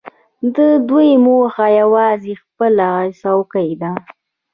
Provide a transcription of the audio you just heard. د دوی موخه یوازې خپله څوکۍ ده.